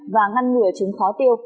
và ngăn ngừa chứng khó tiêu